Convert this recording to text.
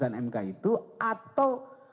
an mk itu atau